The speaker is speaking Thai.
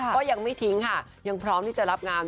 ก็ยังไม่ทิ้งค่ะยังพร้อมที่จะรับงาน